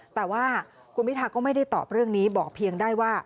แต่ว่าคุณพิทาก็ไม่ได้ตอบเรื่องนี้บอกเพียงได้ว่า